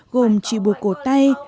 gồm chỉ buộc cầu tay